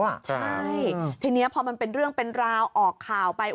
ใช่ทีนี้พอมันเป็นเรื่องเป็นราวออกข่าวไป